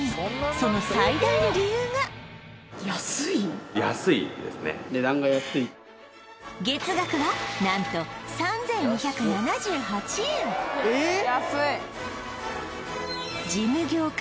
その最大の理由が月額は何と３２７８円ええっジム業界